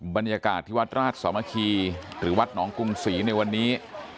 บรรยากาศที่วัดราชสามัคคีหรือวัดหนองกรุงศรีในวันนี้